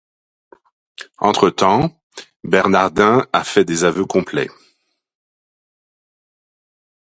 Entre-temps Bernardin a fait des aveux complets.